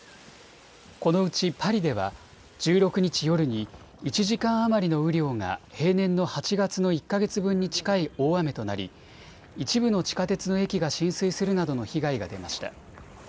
このうちパリでは１６日夜に１時間余りの雨量が平年の８月の１か月分に近い大雨となり一部の地下鉄の駅が浸水するなどの被害が出ました。